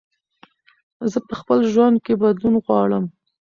زه په خپل ژوند کې بدلون غواړم.